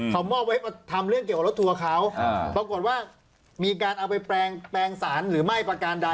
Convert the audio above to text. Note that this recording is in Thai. เขามอบไว้ทำเรื่องเกี่ยวกับรถทัวร์เขาปรากฏว่ามีการเอาไปแปลงสารหรือไม่ประการใด